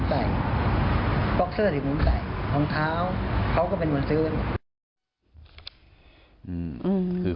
บล็อกเซอร์ที่ผมใส่รองเท้าเขาก็เป็นคนซื้อเนี่ย